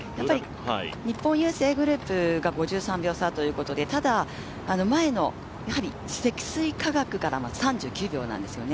日本郵政グループが５３秒差ということでただ、前の積水化学から３９秒なんですね。